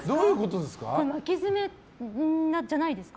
巻き爪じゃないですか？